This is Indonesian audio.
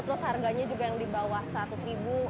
terus harganya juga yang di bawah rp seratus